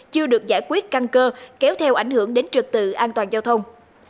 chưa được giải quyết căng cơ kéo theo ảnh hưởng đến trật tự an toàn giao thông